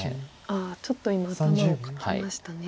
ああちょっと今頭をかきましたね。